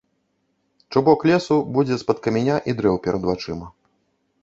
Чубок лесу будзе з-пад каменя і дрэў перад вачыма.